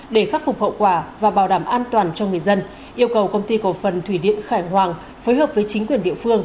để khắc phục hậu quả và bảo đảm an toàn cho người dân yêu cầu công ty cổ phần thủy điện khải hoàng phối hợp với chính quyền địa phương